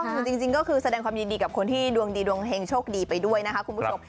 คือจริงก็คือแสดงความยินดีกับคนที่ดวงดีดวงเฮงโชคดีไปด้วยนะคะคุณผู้ชม